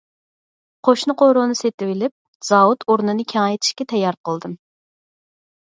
قوشنا قورۇنى سېتىۋېلىپ، زاۋۇت ئورنىنى كېڭەيتىشكە تەييار قىلدىم.